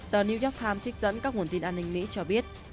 tờ new york times trích dẫn các nguồn tin an ninh mỹ cho biết